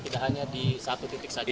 tidak hanya di satu titik saja